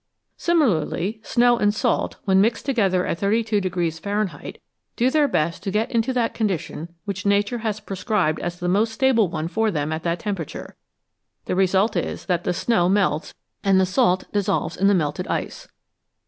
Similarly snow and salt, when mixed together at 32 Fahrenheit, do their best to get into that condition which Nature has prescribed as the most stable one for them at that temperature ; the result is that the snow melts and the salt dissolves in the melted ice.